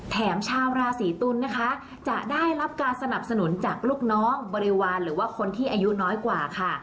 ชาวราศีตุลนะคะจะได้รับการสนับสนุนจากลูกน้องบริวารหรือว่าคนที่อายุน้อยกว่าค่ะ